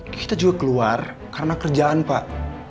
kita juga keluar karena kerjaan pak